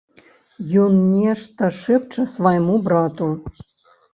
Ён нешта шэпча свайму брату.